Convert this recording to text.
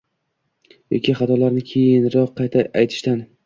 yoki xatolarni keyinroq qayta aytishdan